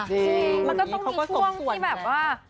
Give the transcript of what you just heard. ใช่เขาก็ส่งส่วนเลยนะคะมันก็ต้องมีช่วงที่แบบว่า